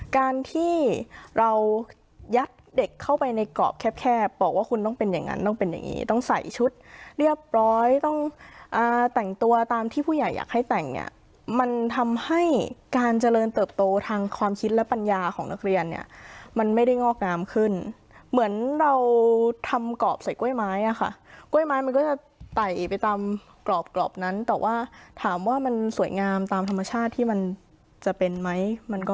การที่เรายัดเด็กเข้าไปในกรอบแคบบอกว่าคุณต้องเป็นอย่างนั้นต้องเป็นอย่างนี้ต้องใส่ชุดเรียบร้อยต้องแต่งตัวตามที่ผู้ใหญ่อยากให้แต่งเนี่ยมันทำให้การเจริญเติบโตทางความคิดและปัญญาของนักเรียนเนี่ยมันไม่ได้งอกงามขึ้นเหมือนเราทำกรอบใส่กล้วยไม้อ่ะค่ะกล้วยไม้มันก็จะไต่ไปตามกรอบกรอบนั้นแต่ว่าถามว่ามันสวยงามตามธรรมชาติที่มันจะเป็นไหมมันก็